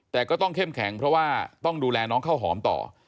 แต่ก็ต้องเข้มแข็งเพราะว่าต้องดูแลน้องข้าวหอมต่อ